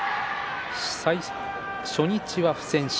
初日は不戦勝